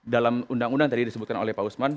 dalam undang undang tadi disebutkan oleh pak usman